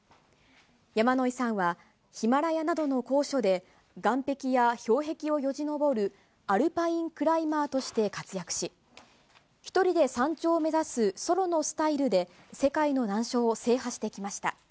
山野井さんは、ヒマラヤなどの高所で、岩壁や氷壁をよじ登る、アルパインクライマーとして活躍し、一人で山頂を目指すソロのスタイルで、世界の難所を制覇してきました。